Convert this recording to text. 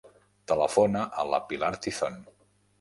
Telefona a la Pilar Tizon.